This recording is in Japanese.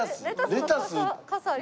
レタス？